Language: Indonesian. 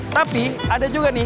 tapi ada juga nih